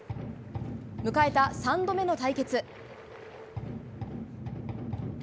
迎えた３度目の対決。